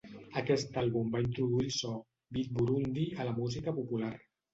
Aquest àlbum va introduir el so "Beat Burundi" a la música popular.